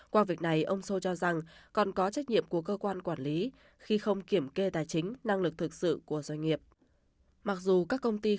qua việc này ông sô cho rằng còn có trách nhiệm của cơ quan quản lý khi không kiểm kê tài chính năng lực thực sự của doanh nghiệp